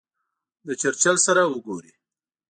د چرچل سره وګوري.